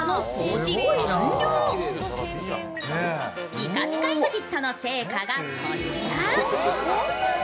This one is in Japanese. ピカピカＥＸＩＴの成果がこちら。